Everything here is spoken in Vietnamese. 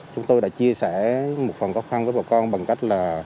chúng tôi đã chia sẻ một phần khó khăn với bà con bằng cách là